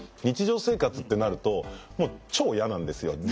日常生活ってなるともう超嫌なんですよ